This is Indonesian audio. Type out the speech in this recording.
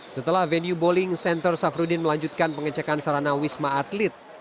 setelah venue bowling center safruddin melanjutkan pengecekan sarana wisma atlet